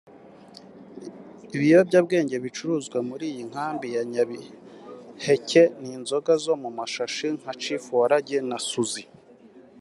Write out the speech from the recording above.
Ibiyobyabwenge bicuruzwa muri iyi nkambi ya Nyabiheke ni inzoga zo mu mashashi nka Chief Waragi na Suzie